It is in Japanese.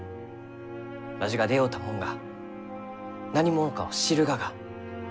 わしが出会うたもんが何者かを知るがが。